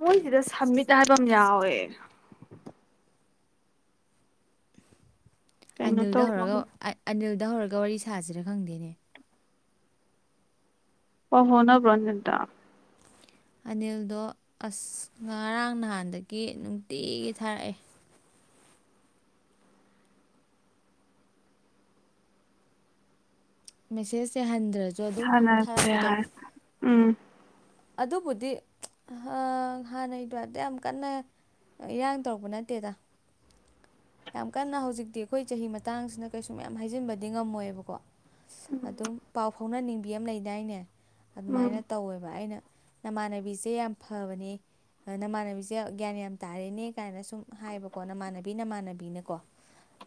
ꯃꯣꯏꯁꯤꯗ submit ꯍꯥꯏꯕ ꯑꯃ ꯌꯥꯎꯋꯦ ꯀꯩꯅꯣ ꯑꯅꯤꯜꯗ ꯇꯧꯕ ꯍꯧꯔꯒ ꯑꯅꯤꯜ ꯗ ꯍꯧꯔꯒ ꯋꯥꯔꯤ ꯁꯥꯁꯤꯔꯥ ꯈꯪꯗꯦꯅꯦ ꯑꯣ ꯍꯣꯅꯕꯣꯖꯟꯗ ꯑꯅꯤꯜꯗꯣ ꯑꯁ ꯉꯔꯥꯡ ꯅꯍꯥꯟꯗꯒꯤ ꯅꯨꯡꯇꯤꯒꯤ ꯊꯥꯔꯛꯑꯦ ꯃꯦꯁꯦꯖꯁꯦ ꯍꯟ ꯍꯅꯁꯦ ꯎꯝ ꯑꯗꯨꯕꯨꯗꯤ ꯍꯥꯟꯅꯩꯗ ꯑꯝꯗ ꯌꯥꯝ ꯀꯟꯅ ꯏꯔꯥꯡ ꯇꯧꯔꯛꯄ ꯅꯠꯇꯦꯗ ꯌꯥꯝ ꯀꯟꯅ ꯍꯧꯖꯤꯛꯇꯤ ꯑꯩꯈꯣꯏ ꯆꯍꯤ ꯃꯇꯥꯡꯁꯤꯅ ꯀꯩꯁꯨ ꯃꯌꯥꯝ ꯍꯥꯏꯖꯤꯟꯕꯗꯤ ꯉꯝꯃꯣꯏꯕꯀꯣ ꯑꯗꯨꯝ ꯄꯥꯎ ꯐꯥꯎꯅꯅꯤꯡꯕ ꯕꯤ ꯑꯃ ꯂꯩꯗꯥꯏꯅꯦ ꯎꯝ ꯑꯗꯨꯃꯥꯏꯅ ꯇꯧꯋꯦꯕ ꯑꯩꯅ ꯅꯃꯥꯟꯅꯕꯤꯁꯦ ꯌꯥꯝ ꯐꯕꯅꯦ ꯅꯃꯥꯟꯅꯕꯤꯁꯦ ꯒ꯭ꯌꯥꯟ ꯌꯥꯝ ꯇꯥꯔꯦꯅꯦ ꯀꯥꯏꯅ ꯁꯨꯝ ꯍꯥꯏꯕꯀꯣ ꯅꯃꯥꯟꯅꯕꯤ ꯅꯃꯥꯟꯅꯕꯤ ꯄꯕꯤꯅꯦꯀꯣ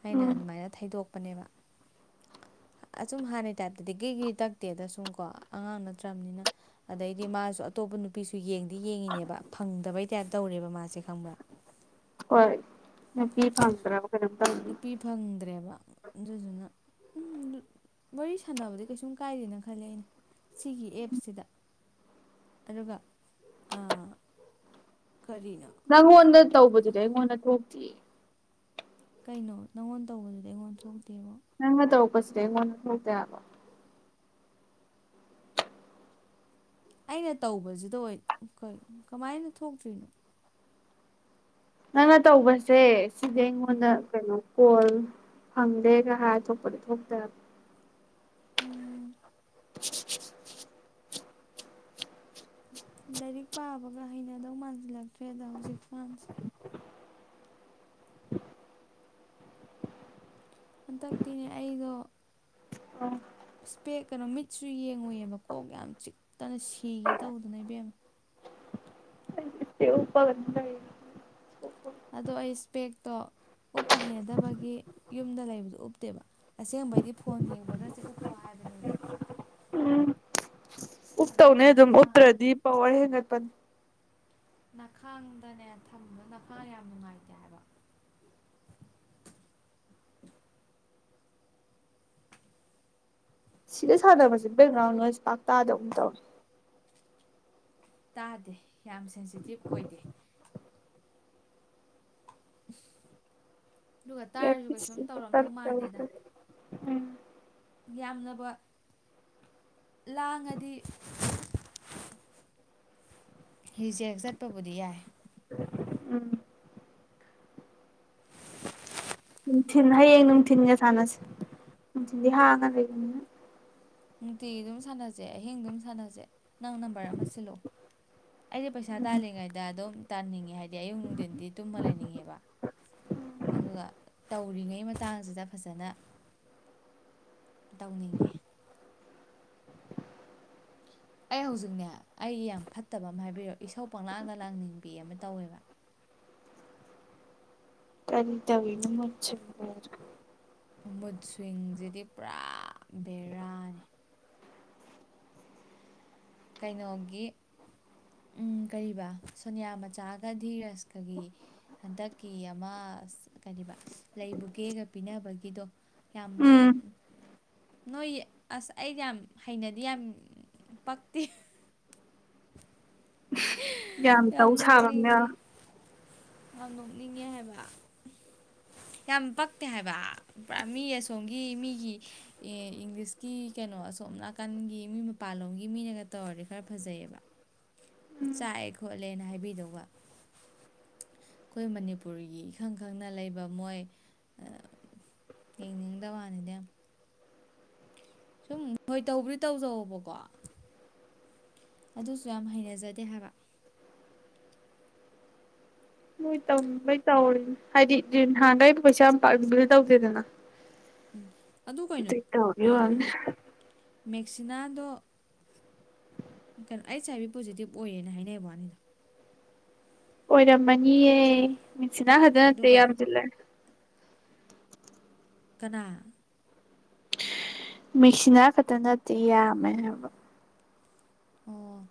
ꯑꯩꯅ ꯎꯝ ꯑꯗꯨꯃꯥꯏꯅ ꯊꯩꯗꯣꯛ ꯇꯛꯄꯅꯦꯕ ꯑꯁꯨꯝ ꯍꯥꯟꯅꯒꯤ ꯇꯥꯏꯞꯇꯗꯤ ꯀ꯭ꯔꯤꯒꯤ꯭ꯔꯤ ꯇꯛꯇꯦꯗ ꯁꯨꯝ ꯀꯣ ꯑꯉꯥꯡ ꯅꯠꯇ꯭ꯔꯕꯅꯤꯅ ꯑꯗꯩꯗꯤ ꯃꯥꯁꯨ ꯑꯇꯣꯞꯄ ꯅꯨꯄꯤꯁꯨ ꯌꯦꯡꯗꯤ ꯌꯦꯡꯉꯤꯅꯦꯕ ꯐꯪꯗꯕꯩ ꯇꯥꯏꯞ ꯇꯧꯔꯦꯕ ꯃꯥꯁꯦ ꯈꯪꯕ꯭ꯔꯥ ꯍꯣꯏ ꯅꯨꯄꯤ ꯐꯪꯗ꯭ꯔꯕ ꯀꯩꯅꯣꯝ ꯇꯧꯅꯤ ꯅꯨꯄꯤ ꯐꯪꯗ꯭ꯔꯦꯕ ꯑꯗꯨꯗꯨꯅ ꯎ ꯋꯥꯔꯤ ꯁꯥꯟꯅꯕꯗꯤ ꯀꯩꯁꯨꯝ ꯀꯥꯏꯗꯦꯅ ꯈꯜꯂꯦ ꯑꯩꯅ ꯁꯤꯒꯤ ꯑꯦꯞꯁꯤꯗ ꯑꯗꯨꯒ ꯀꯔꯤꯅꯣ ꯅꯪ ꯑꯣꯗ ꯇꯧꯕꯗꯨꯗꯤ ꯑꯩꯉꯣꯟꯗ ꯊꯣꯛ ꯇ ꯀꯩꯅꯣ ꯅꯪꯉꯣꯟ ꯇꯧꯕꯗꯨꯗꯤ ꯑꯩꯉꯣꯟꯗ ꯊꯣꯛꯇꯦꯕ ꯅꯪꯉ ꯇꯧ ꯀꯁ ꯂꯩꯦ ꯃ ꯈ ꯇ ꯑꯕ ꯑꯩꯅ ꯇꯧꯕꯁꯤꯗ ꯑꯣꯏꯣꯏ ꯀꯃꯥꯏꯅ ꯊꯣꯛꯇ꯭ꯔꯤꯅꯣ ꯅꯪꯅ ꯇꯧꯕꯁꯦ ꯁꯤꯗ ꯌꯦꯉꯣꯟꯅ ꯎꯝ ꯀꯩꯅꯣ ꯀꯣꯜ ꯐꯪꯗꯦꯒ ꯍꯥꯏꯔ ꯊꯣꯛꯄꯗꯤ ꯊꯣꯛꯇꯕ ꯎꯝ [unintelligible] ꯂꯥꯏꯔꯤꯛ ꯄꯥꯕꯒ ꯍꯩꯅꯗꯧ ꯃꯥꯟꯁꯤꯜꯂꯛꯇ꯭ꯔꯦꯗ ꯍꯧꯖꯤꯛ ꯐꯥꯟꯁꯦ [unintelligible] ꯍꯟꯗꯛꯇꯤꯅꯦ ꯑꯩꯗꯣ ꯑ ꯏꯁꯄꯦ ꯀꯩꯅꯣ ꯃꯤꯠꯁꯨ ꯌꯦꯡꯉꯨꯏꯑꯕ ꯀꯣꯛ ꯌꯥꯝ ꯆꯤꯛꯇꯅ ꯁꯤꯒꯦ ꯇꯧꯗꯅ ꯏꯕꯦꯝꯃ ꯄꯒ ꯑꯗꯣ ꯑꯩ ꯏꯁꯄꯦꯛꯇꯣ ꯎꯞꯄ ꯍꯩꯅꯗꯕꯒꯤ ꯌꯨꯝꯗ ꯂꯩꯕꯗꯣ ꯎꯞꯇꯦꯕ ꯑꯁꯦꯡꯕꯩꯗꯤ ꯐꯣꯟ ꯌꯦꯡꯕꯒꯁꯦ ꯎꯞꯄꯣ ꯍꯥꯏꯕ ꯎꯝ ꯑꯗꯣ ꯎꯞꯇꯧꯅꯦ ꯑꯩꯅ ꯑꯗꯨꯝ ꯅꯈꯥꯡ ꯎꯞꯇ꯭ꯔꯗꯤ ꯄꯋꯥꯔ ꯍꯦꯟꯒꯠ ꯄꯟ ꯈꯥꯡꯗꯅꯦ ꯊꯝꯕ ꯈꯥꯡ ꯌꯥꯝ ꯅꯨꯡꯉꯥꯏꯇꯦ ꯍꯥꯏꯕ ꯁꯤꯗ ꯁꯥꯟꯅꯕꯁꯦ ꯕꯦꯛꯒ꯭ꯔꯥꯎꯟ ꯅꯣꯏꯁ ꯄꯥꯛꯇꯥꯥꯗꯧ ꯇꯧꯋꯦ ꯇꯥꯗꯦ ꯌꯥꯝ ꯁꯦꯟꯁꯤꯇꯤꯞ ꯑꯣꯏꯗꯦ ꯑꯗꯨꯒ ꯌꯥ ꯇꯥꯔꯁꯨ ꯀꯩꯁꯨꯝ ꯇꯧꯔꯝꯗꯧ ꯇꯔ ꯃꯥꯟꯗꯦꯗ ꯎꯝ ꯌꯥꯝꯅꯕ ꯂꯥꯡꯉꯗꯤ ꯍꯧꯖꯦꯛ ꯆꯠꯄꯕꯨꯗꯤ ꯌꯥꯏ ꯎꯝ ꯅꯨꯡꯊꯤꯟ ꯍꯌꯦꯡ ꯅꯨꯡꯊꯤꯟꯒ ꯁꯥꯟꯅꯁꯦ ꯅꯨꯡꯊꯤꯟꯗꯤ ꯍꯥꯡꯉ ꯂꯩꯕꯅꯤꯅ ꯅꯨꯡꯇꯤꯒꯤ ꯑꯗꯨꯝ ꯁꯥꯟꯅꯁꯦ ꯑꯍꯤꯡ ꯑꯗꯨꯝ ꯁꯥꯟꯅꯁꯦ ꯅꯪ ꯅꯝꯕꯔ ꯑꯃ ꯁꯤꯜꯂꯣ ꯑꯩꯁ ꯄꯩꯁꯥ ꯇꯥꯜꯂꯤꯉꯩꯗ ꯑꯗꯝ ꯇꯥꯅꯤꯡꯉꯦ ꯍꯥꯏꯗꯤ ꯑꯌꯨꯛ ꯅꯨꯡꯊꯤꯟꯗꯤ ꯇꯨꯝ ꯂꯩꯅꯤꯡꯉꯦꯕ ꯑꯗꯨꯒ ꯎꯔꯤꯉꯩ ꯃꯇꯥꯡꯁꯤꯗ ꯐꯖꯅ ꯇꯧꯅꯤꯡꯉꯤ ꯑꯩ ꯍꯧꯖꯤꯛꯅꯦ ꯑꯩꯒꯤ ꯌꯥꯝ ꯐꯠꯇꯕ ꯑꯃ ꯍꯥꯏꯕꯤꯔꯛꯣ ꯏꯁꯧ ꯄꯪꯂꯥꯡꯗ ꯂꯥꯡꯅꯤꯡꯕꯤ ꯑꯃ ꯇꯧꯋꯦꯕ ꯀꯔꯤꯗꯕꯅ ꯃ ꯆꯔ ꯃꯨꯠ ꯁꯋꯁꯤꯗꯤ ꯄꯨꯔꯥ ꯕꯦꯔꯥꯅꯤ ꯀꯩꯅꯣꯒꯤ ꯎ ꯀꯔꯤꯕ ꯁꯣꯅꯤꯌꯥ ꯃꯆꯥꯒ ꯙꯤꯔꯁꯀꯒꯤ ꯍꯟꯗꯛꯀꯤ ꯑꯃ ꯀꯔꯤꯕ ꯂꯩꯕꯨꯒꯦꯒ ꯄꯤꯅꯕꯒꯤꯗꯣ ꯌꯥꯝ ꯎꯝ ꯅꯣꯏꯌꯦ ꯑꯁ ꯑꯩꯗꯤ ꯌꯥꯝ ꯍꯩꯅꯗꯤ ꯌꯥꯝ ꯄꯛ ꯇꯦ ꯌꯥꯝꯒ ꯇꯧ ꯌꯥꯝ ꯁꯥꯕꯅ ꯅꯣꯛꯅꯤꯡꯉꯦ ꯌꯥꯝ ꯅꯣꯛꯅꯤꯡꯉꯦ ꯍꯥꯏꯕ ꯌꯥꯝ ꯄꯛꯇꯦ ꯍꯥꯏꯕ ꯄꯨꯔꯥ ꯃꯤ ꯑꯁꯣꯝꯒꯤ ꯃꯤꯒꯤ ꯏꯪꯂꯤꯁꯀꯤ ꯀꯩꯅꯣ ꯑꯁꯣꯝ ꯅꯥꯀꯟꯒꯤ ꯃꯤ ꯃꯄꯥꯟꯂꯣꯝꯒꯤ ꯃꯤꯅꯒ ꯇꯧꯔꯗꯤ ꯈꯔ ꯐꯖꯩꯌꯦꯕ ꯆꯥꯛꯑꯦ ꯈꯣꯠꯂꯦꯅ ꯍꯥꯏꯕꯤꯗꯧꯕ ꯑꯩꯈꯣꯏ ꯃꯅꯤꯄꯨꯔꯒꯤ ꯏꯈꯪ ꯈꯪꯅ ꯂꯩꯕ ꯃꯣꯏ ꯌꯦꯡꯅꯤꯡꯗ ꯋꯥꯅꯤꯅꯦ ꯁꯨꯝ ꯅꯣꯏ ꯇꯧꯕꯗꯤ ꯇꯧ ꯇꯕꯀꯣ ꯑꯗꯨꯁꯨ ꯌꯥꯝ ꯍꯩꯅꯖꯗꯦ ꯍꯥꯏꯕ ꯃꯣꯏ ꯇꯧꯅꯤꯡꯕꯩ ꯇꯧꯔꯤꯅꯦ ꯍꯥꯏꯗꯤ ꯍꯥꯟꯒꯩꯕꯨ ꯀꯩꯁꯨꯌꯥꯝ ꯄꯥꯅ ꯇꯧꯗꯦꯗꯅ ꯎꯝ ꯑꯗꯨ ꯀꯩꯅꯣ ꯇꯠꯇ ꯋꯥ ꯎꯝ ꯃꯦꯛꯁꯤꯅꯥꯗꯣ ꯀꯩꯅꯣ ꯑꯩꯠꯁ ꯑꯥꯏ ꯚꯕꯤ ꯄꯣꯖꯤꯇꯤꯚ ꯑꯣꯏꯌꯦꯅ ꯍꯥꯏꯅꯩ ꯕꯥꯅꯤꯗ ꯑꯣꯏꯔꯝꯃꯅꯤꯍꯦ ꯃꯦꯛꯁꯤꯅ ꯈꯤꯇꯪ ꯅꯠꯇꯦ ꯑꯗꯨꯒ ꯌꯥꯝ ꯀꯅꯥ ꯃꯦꯛꯁꯤꯅꯥ ꯈꯛꯇ ꯅꯠꯇꯦ ꯌꯥꯝꯃꯦ ꯍꯥꯏꯕ ꯑꯣ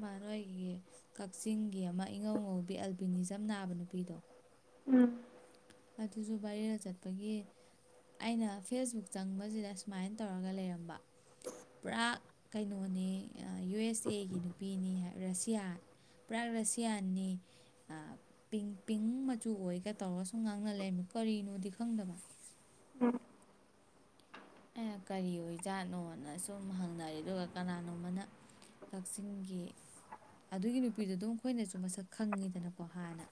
ꯃꯥ ꯅꯣꯏꯒꯤ ꯀꯛꯆꯤꯡꯒꯤ ꯑꯃ ꯏꯉꯧꯉꯧꯕꯤ ꯑꯜꯕꯤꯅꯤꯖꯝ ꯅꯥꯕ ꯅꯨꯄꯤꯗꯣ ꯎꯝ ꯑꯗꯨꯁꯨ ꯕꯥꯏꯔꯗ ꯆꯠꯄꯒꯤ ꯑꯩꯅ ꯐꯦꯁꯕꯨꯛ ꯆꯪꯕꯁꯤꯗ ꯁꯨꯃꯥꯏꯅ ꯇꯧꯔꯒ ꯂꯩꯔꯝꯕ ꯄꯨ꯭ꯔꯥ ꯀꯩꯅꯣꯅꯦ ꯌꯨ ꯑꯦꯁ ꯑꯦꯒꯤ ꯅꯨꯄꯤꯅꯤ ꯍꯥꯏ ꯔꯁꯤꯌꯥ ꯄꯨꯔꯥ ꯔꯁꯤꯌꯥꯅꯤ ꯄꯤꯡ ꯄꯤꯡ ꯃꯆꯨ ꯑꯣꯏꯒ ꯇꯧꯔ ꯉꯥꯡꯅ ꯂꯩꯔꯝꯃꯤ ꯀꯔꯤꯅꯣꯗꯤ ꯈꯪꯗꯕ ꯎꯝ ꯑꯩꯅ ꯀꯔꯤ ꯑꯣꯏꯖꯥꯠꯅꯣꯅ ꯁꯨꯝ ꯍꯪꯅꯔꯤ ꯑꯗꯨꯒ ꯀꯅꯥꯅꯣꯃꯅ ꯀꯛꯆꯤꯡꯒꯤ ꯑꯗꯨꯒꯤ ꯅꯨꯄꯤꯗꯨ ꯑꯗꯨꯝ ꯑꯩꯈꯣꯏꯅꯁꯨ ꯃꯁꯛ ꯈꯪꯉꯤꯗꯅꯀꯣ ꯍꯥꯟꯅ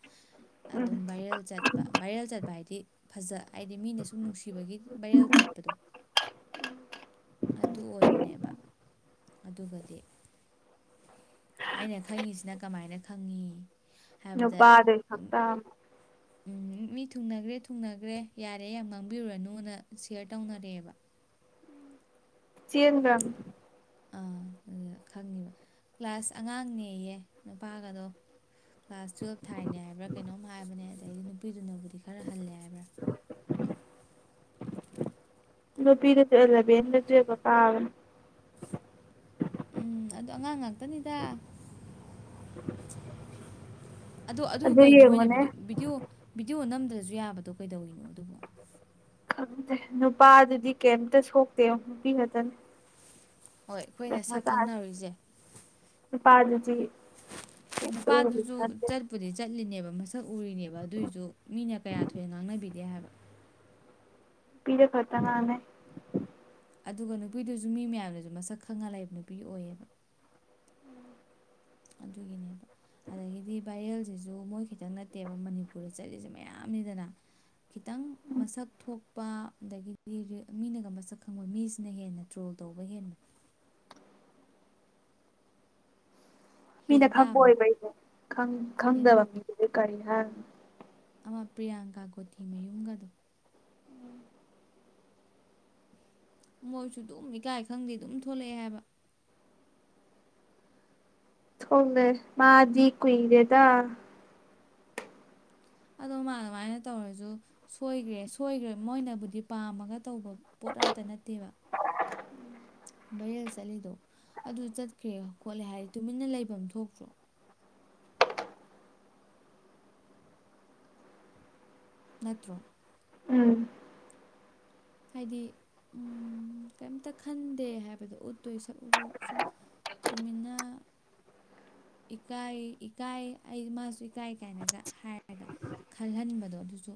ꯑꯗꯨꯝ ꯚꯥꯏꯔꯦꯜ ꯆꯠꯄ ꯚꯥꯏꯔꯦꯜ ꯆꯠꯄ ꯍꯥꯏꯗꯤ ꯐꯖ ꯍꯥꯏꯗꯤ ꯃꯤꯅ ꯁꯨꯝ ꯅꯨꯡꯁꯤꯕꯒꯤ ꯚꯥꯏꯔꯦꯜ ꯆꯠꯄꯗꯣ ꯑꯗꯨ ꯑꯣꯏꯕꯅꯦꯕ ꯑꯗꯨꯒꯗꯤ ꯑꯩꯅ ꯈꯪꯉꯤꯁꯤꯅ ꯀꯃꯥꯏꯅ ꯈꯪꯉꯤ ꯍꯥꯏꯕꯗ ꯅꯨꯄꯥꯗꯩꯛꯇ ꯎꯝ ꯃꯤ ꯊꯨꯡꯅꯈ꯭ꯔꯦ ꯊꯨꯡꯅꯈ꯭ꯔꯦ ꯌꯥꯔꯦ ꯌꯥꯝ ꯉꯥꯡꯕꯤꯔꯨꯔꯅꯨꯅ ꯁꯌꯔ ꯇꯧꯅꯔꯦꯑꯦꯕ ꯆꯦꯟꯒꯔꯥꯅꯦ ꯑꯥ ꯑꯗꯨꯗ ꯈꯪꯉꯤꯕ ꯀ꯭ꯂꯥꯁ ꯑꯉꯥꯡꯅꯦꯌꯦ ꯅꯨꯄꯥꯒꯗꯣ ꯀ꯭ꯂꯥꯁ ꯇꯨꯌꯦꯜꯞ ꯊꯥꯏꯅꯦ ꯍꯥꯏꯕ꯭ꯔꯥ ꯀꯩꯅꯣꯝ ꯍꯥꯏꯕꯅꯦ ꯑꯗꯩꯗꯤ ꯅꯨꯄꯤꯗꯨꯅꯕꯨꯗꯤ ꯈꯔ ꯍꯜꯂꯦ ꯍꯥꯏꯕ꯭ꯔꯥ ꯅꯨꯄꯤꯗꯁꯨ ꯑꯦꯂꯕꯦꯟꯂ ꯇꯨꯌꯦꯞꯂ ꯀꯥꯕꯅꯦ ꯎꯝ ꯑꯗꯣ ꯑꯉꯥꯡ ꯉꯥꯛꯇꯅꯤꯗ [unintelligible] ꯑꯗꯣ ꯑꯗꯨ ꯀꯩꯅꯣ ꯃꯣꯏꯅ ꯚꯗꯤꯑꯣ ꯚꯤꯗꯤꯑꯣ ꯅꯝ ꯗꯁꯨ ꯌꯥꯕꯗꯣ ꯀꯩꯗꯧꯏꯅꯤ ꯈꯪꯗꯦ ꯅꯨꯄꯥꯗꯨꯗꯤ ꯀꯩꯝꯇ ꯁꯣꯛꯇꯦ ꯅꯨꯄꯤ ꯈꯛꯇꯅ ꯍꯣꯏ ꯑꯩꯈꯣꯏꯅ ꯁꯛ ꯈꯪꯅꯔꯨꯔꯤꯁꯦ ꯄꯆ ꯅꯨꯄꯥꯗꯨꯁꯨ ꯆꯠꯄꯨꯗꯤ ꯆꯠꯂꯤꯅꯦꯕ ꯁꯛ ꯎꯔꯤꯅꯦꯕ ꯑꯗꯨꯏꯁꯨ ꯃꯤꯅ ꯀꯌꯥ ꯊꯣꯏꯅ ꯉꯥꯡꯅꯕꯤꯗꯦ ꯍꯥꯏꯕ ꯄꯤꯔ ꯐꯔꯗꯅꯅꯦ ꯑꯗꯨꯒ ꯅꯨꯄꯤꯗꯨꯁꯨ ꯃꯤ ꯃꯌꯥꯝꯅꯁꯨ ꯃꯁꯛ ꯈꯪꯉ ꯂꯩꯕ ꯅꯨꯄꯤ ꯑꯣꯏꯌꯦꯕ ꯑꯗꯨꯒꯤꯅꯦꯕ ꯑꯗꯒꯤꯗꯤ ꯚꯥꯏꯔꯦꯜꯁꯤꯁꯨ ꯃꯣꯏ ꯈꯤꯇꯪ ꯅꯠꯇꯦꯕ ꯃꯅꯤꯄꯨꯔꯗ ꯆꯠꯂꯤꯁꯦ ꯃꯌꯥꯝꯅꯤꯗꯅ ꯈꯤꯇꯪ ꯃꯁꯛ ꯊꯣꯛ ꯅꯨꯄꯥ ꯑꯗꯒꯤꯗꯤ ꯃꯤꯅꯒ ꯃꯁꯛ ꯈꯪꯕ ꯃꯤꯁꯤꯅ ꯍꯦꯟꯅ ꯇ꯭ꯔꯣꯜ ꯇꯧꯕ ꯍꯦꯟꯕ ꯃꯤꯅ ꯍꯦꯟ ꯈꯛꯄ ꯇꯥꯕꯅꯤ ꯑꯣꯏꯕ ꯑꯩꯁꯦ ꯍꯦꯟ ꯈꯪꯗꯕ ꯃꯤꯗꯨꯗꯤ ꯀꯔꯤꯅꯣ ꯑꯃ ꯄ꯭ꯔꯤꯌꯥꯡꯀꯥ ꯀꯒꯣꯇꯤ ꯃꯌꯨꯝꯒꯗꯣ ꯃꯣꯏꯁꯨ ꯑꯗꯨꯝ ꯏꯀꯥꯏ ꯈꯪꯗꯦ ꯑꯗꯨꯝ ꯊꯣꯛꯂꯛꯑꯦ ꯍꯥꯏꯕ ꯊꯃꯦ ꯃꯥꯗꯤ ꯀꯨꯏꯗꯦꯗ ꯑ ꯃꯥ ꯑꯗꯨꯃꯥꯏꯅ ꯇꯧꯔꯁꯨ ꯁꯣꯏꯈ꯭ꯔꯦ ꯁꯣꯏꯈ꯭ꯔꯦ ꯃꯣꯏꯅꯕꯨꯗꯤ ꯄꯥꯝꯃꯒ ꯇꯧꯕ ꯄꯣꯠ ꯑꯝꯇ ꯅꯠꯇꯦꯕ ꯕꯥꯔꯦꯜ ꯆꯠꯂꯤꯗꯣ ꯑꯗꯨ ꯆꯠꯈ꯭ꯔꯦ ꯈꯣꯠꯂꯦ ꯍꯥꯏꯗꯤ ꯇꯨꯃꯤꯟꯅ ꯂꯩꯐꯝ ꯑꯃ ꯊꯣꯛꯇ꯭ꯔꯣ ꯅꯠꯇ꯭ꯔꯣ ꯎꯝ ꯍꯥꯏꯗꯤ ꯀꯔꯤꯝꯇ ꯈꯟꯗꯦ ꯍꯥꯏꯕꯗꯣ ꯎꯠꯇꯣꯏ ꯁꯛꯎꯨꯔꯨ ꯁꯨꯝ ꯇꯨꯃꯤꯟꯅ ꯏꯀꯥꯏ ꯏꯀꯥꯏ ꯑꯩ ꯃꯥꯁꯨ ꯏꯀꯥꯏ ꯀꯥꯏꯅꯒ ꯍꯥꯏꯔꯒ ꯈꯜꯍꯟꯕꯗꯣ ꯑꯗꯨꯁꯨ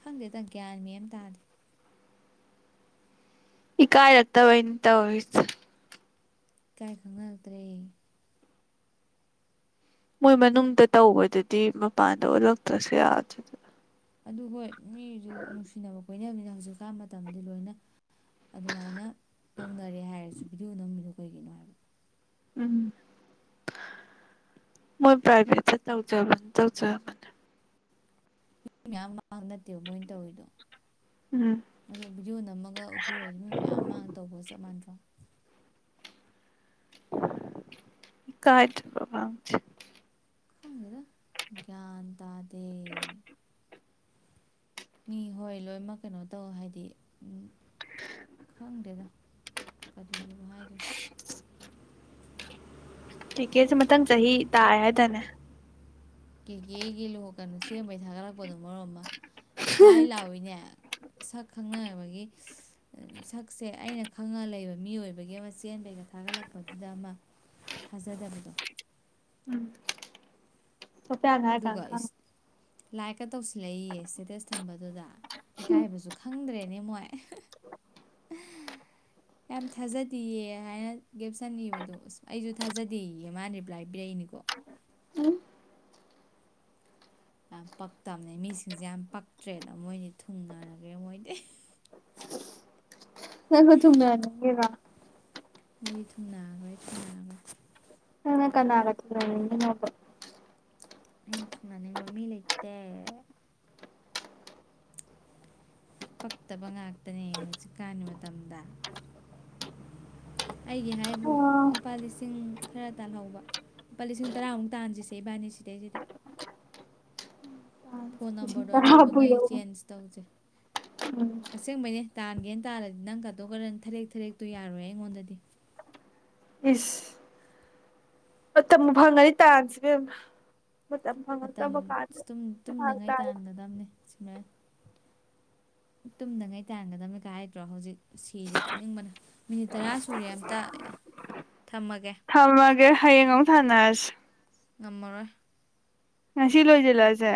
ꯈꯪꯗꯦꯗ ꯒ꯭ꯌꯥꯟ ꯃꯦꯝ ꯇꯥꯗꯦ ꯏ ꯀꯥꯏ ꯂꯠꯇꯕꯟ ꯇ ꯑꯣꯏꯁ ꯀꯥꯏ ꯈꯪꯅꯔꯛꯇ꯭ꯔꯦ ꯃꯣꯏ ꯃꯅꯨꯡꯗ ꯇꯧꯕꯗꯨꯗꯤ ꯃꯄꯥꯟꯗ ꯑꯣꯜꯂꯛꯇ꯭ꯔꯁꯨ ꯌꯥꯗ꯭ꯔꯗ ꯑꯗꯨ ꯍꯣꯏ ꯃꯤꯁꯨ ꯅꯨꯡꯁꯤꯅꯕ ꯀꯣꯏꯃꯤꯅ ꯍꯧꯖꯤꯛꯀꯥꯟ ꯃꯇꯝꯗꯤ ꯂꯣꯏꯅ ꯑꯗꯨꯃꯥꯏꯅ ꯇꯧꯅꯔꯦ ꯍꯥꯏꯔꯁꯨ ꯚꯤꯗꯤꯑꯣ ꯅꯝꯃꯤꯅꯨ ꯀꯩꯒꯤꯅꯣ ꯍꯥꯏꯕ ꯎꯝ ꯃꯣꯏ ꯄ꯭ꯔꯥꯏꯚꯦꯠ ꯇꯧꯖꯕꯅꯤ ꯇꯧꯖꯕꯅꯤ ꯃꯤ ꯃꯌꯥꯝ ꯃꯥꯡ ꯅꯠꯇꯦꯕ ꯃꯣꯏꯅ ꯇꯧꯋꯔꯤꯗꯣ ꯑꯗꯣ ꯚꯤꯗꯤꯑꯣ ꯅꯝꯃꯒ ꯎꯠꯊꯣꯔꯛꯏꯗꯤ ꯃꯤ ꯃꯌꯥꯝ ꯑꯃꯥꯡ ꯇꯧꯕꯒ ꯆꯞ ꯃꯥꯟꯅꯗ꯭ꯔꯣ ꯀꯥꯏ ꯈꯣꯡꯒꯦꯗ ꯒ꯭ꯌꯥꯟ ꯇꯗꯦ ꯃꯤ ꯍꯣꯏ ꯂꯣꯏꯃꯛ ꯀꯩꯅꯣ ꯇꯧ ꯍꯥꯏꯗꯤ ꯈꯪꯗꯦꯗ ꯀꯔꯤ [unintelligible] ꯀ꯭ꯔꯤꯀꯦꯁꯦ ꯃꯊꯪ ꯆꯍꯤ ꯇꯥꯔꯦ ꯍꯥꯏꯗꯥꯏꯅꯦ ꯀꯦꯒꯦ ꯒꯤ ꯂꯨꯍ ꯀꯩꯅꯨ ꯁꯦꯝꯕꯩ ꯊꯥꯒꯠꯂꯛꯄꯗꯨꯅ ꯃꯔꯣꯟ ꯑꯃ ꯁ꯭ꯋꯥꯏ ꯂꯥꯎꯏꯅꯦ ꯁꯛ ꯈꯪꯅ ꯇꯕꯒꯤ ꯁꯛꯁꯦ ꯑꯩꯅ ꯈꯪꯉ ꯂꯩꯕ ꯃꯤ ꯑꯣꯏꯕꯒꯤ ꯑꯃ ꯆꯦꯟꯕꯩꯗ ꯊꯥꯒꯠꯂꯛꯄꯗꯨꯗ ꯑꯃ ꯊꯥꯖꯗꯕꯤꯗꯣ ꯎꯝ ꯁꯣꯐꯤꯌꯥꯅ ꯍꯥꯏꯔꯀꯟ ꯑꯗꯨꯒ ꯏꯁ ꯈꯪꯉꯤ ꯂꯥꯏꯛꯀ ꯇꯧꯁꯤꯜꯂꯛꯏꯌꯦ ꯁ꯭ꯇꯦꯇꯁ ꯊꯝꯕꯗꯨꯗ ꯏꯀꯥꯏꯕꯁꯨ ꯈꯪꯗ꯭ꯔꯦ ꯅꯦ ꯃꯣꯏ ꯌꯥꯝ ꯊꯥꯖꯗꯤꯌꯦ ꯍꯥꯏꯅ ꯒꯦꯞꯁꯟ ꯏꯕꯗꯣ ꯑꯁ ꯑꯩꯁꯨ ꯊꯥꯖꯗꯦꯌꯦ ꯃꯥꯅ ꯔꯤꯄ꯭ꯂꯥꯏ ꯄꯤꯔꯛꯏꯅꯤꯀꯣ ꯎꯝ ꯌꯥꯝ ꯄꯛꯇꯝꯅꯦ ꯃꯤꯁꯤꯡꯁꯦ ꯌꯥꯝ ꯄꯛꯇ꯭ꯔꯦꯅ ꯃꯣꯏꯅꯤ ꯊꯨꯡꯅꯔꯒꯦ ꯃꯣꯏꯗꯤ ꯅꯪꯁꯨ ꯊꯨꯡꯅꯅꯤꯡꯉꯤꯔꯣ ꯃꯣꯏꯗꯤ ꯊꯨꯡꯅꯥꯒ꯭ꯔꯦ ꯊꯨꯡꯅꯥꯒ꯭ꯔꯦ ꯅꯪꯅ ꯀꯅꯥꯒ ꯊꯨꯡꯅꯅꯤꯡꯉꯤꯅꯣꯕ ꯑꯩꯅ ꯊꯨꯡꯅꯅꯤꯡꯕ ꯃꯤ ꯂꯩꯇꯦ ꯄꯛꯇꯕ ꯉꯥꯛꯇꯅꯦ ꯍꯧꯖꯤꯛꯀꯥꯟꯒꯤ ꯃꯇꯝꯗ ꯑꯩꯒꯤ ꯍꯥꯏꯕꯨ ꯂꯨꯄꯥ ꯂꯤꯁꯤꯡ ꯈꯔ ꯇꯥꯜꯍꯧꯕ ꯂꯨꯄꯥ ꯂꯤꯁꯤꯡ ꯇꯔꯥꯃꯨꯛ ꯇꯥꯟꯁꯤꯁꯦ ꯏꯕꯥꯅꯤ ꯁꯤꯗꯩꯁꯤꯗ ꯐꯣꯟ ꯂꯤꯁꯤꯡ ꯅꯝꯕꯔ ꯗꯣ ꯑꯔꯩꯕ ꯇꯔꯥꯕꯨ ꯉꯩ ꯌꯧ ꯆꯦꯟꯖ ꯇꯧꯁꯦ ꯎꯝ ꯑꯁꯦꯡꯕꯩꯅꯦ ꯇꯥꯟꯒꯦꯅ ꯇꯥꯜꯂꯗꯤ ꯅꯪ ꯀꯇꯨ ꯀꯔꯟ ꯊꯥꯔꯦꯛ ꯊꯥꯔꯦꯛꯇꯣ ꯌꯥꯔꯣꯏ ꯑꯩꯉꯣꯟꯗꯗꯤ ꯏꯁ ꯃꯇꯝꯕꯨ ꯐꯪꯉꯅꯤ ꯇꯥꯟꯁꯤ ꯏꯕꯦꯝꯃ ꯃꯇꯝ ꯃꯇꯝ ꯐꯪꯉꯛꯇꯕ ꯁꯤ ꯀꯥꯟꯗ ꯇꯨꯝ ꯐꯔꯛ ꯇꯨꯝꯗꯉꯩ ꯇꯥꯏ ꯇꯥꯟꯒꯗꯝꯅꯦ ꯁꯨꯃꯥꯏꯅ ꯇꯨꯝꯗꯉꯩ ꯇꯥꯟꯒꯗꯕꯅꯤ ꯀꯥꯏ ꯍꯥꯏꯗ꯭ꯔꯣ ꯍꯧꯖꯤꯛ ꯁꯤꯔꯦ ꯇꯨꯝꯅꯤꯡꯕꯅ ꯃꯤꯅꯤꯠ ꯇꯔꯥ ꯁꯨꯔꯦ ꯑꯝꯇ ꯊꯝꯃꯒꯦ ꯊꯝꯃꯒꯦ ꯍꯌꯦꯡ ꯑꯃꯨꯛ ꯊꯥꯅꯔꯁꯤ ꯉꯝꯃꯔꯣꯏ ꯉꯁꯤ ꯂꯣꯏꯖꯤꯜꯂꯁꯦ